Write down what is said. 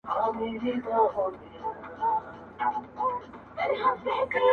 له میو چي پرهېز کوم پر ځان مي ژړا راسي.!